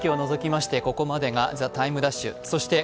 一部の地域を除きまして、ここまでが「ＴＨＥＴＩＭＥ’」。